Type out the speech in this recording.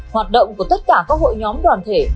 hoạt động của tất cả các hội nhóm đoàn thể